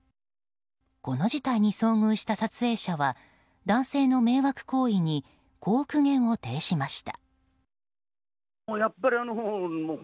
この事態に遭遇した撮影者は男性の迷惑行為にこう苦言を呈しました。